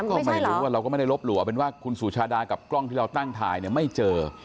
ไม่รู้เราก็ไม่ได้ลบหลั่วเป็นว่าคุณสุชาดากับกล้องที่เราตั้งถ่ายไม่เจอ